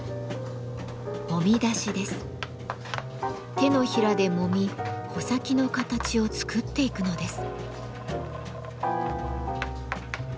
手のひらでもみ穂先の形を作っていくのです。